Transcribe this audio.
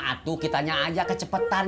atuh kita nya aja kecepetan